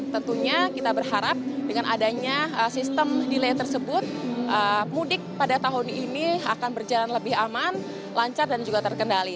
tentunya kita berharap dengan adanya sistem delay tersebut mudik pada tahun ini akan berjalan lebih aman lancar dan juga terkendali